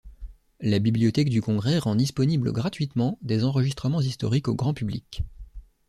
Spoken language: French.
La Bibliothèque du Congrès rend disponible, gratuitement, des enregistrements historiques au grand public.